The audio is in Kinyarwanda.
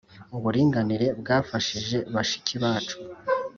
uburinganire bwafashije bashiki bacu